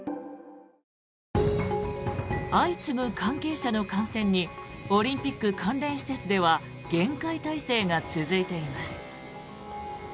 相次ぐ関係者の感染にオリンピック関連施設では厳戒態勢が続いています。